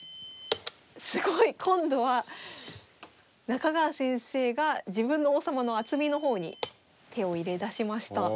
すごい。今度は中川先生が自分の王様の厚みの方に手を入れだしました。